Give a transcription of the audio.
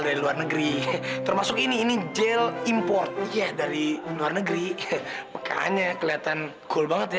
dari luar negeri termasuk ini ini gel import ya dari luar negeri makanya kelihatan cool banget ya